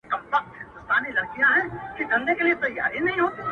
اوس له كندهاره روانـېـــږمه.